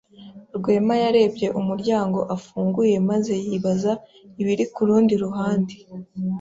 Rwema yarebye umuryango ufunguye maze yibaza ibiri ku rundi ruhande.